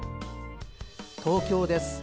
東京です。